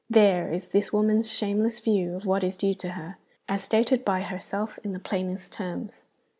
There is this woman's shameless view of what is due to her, as stated by herself in the plainest terms.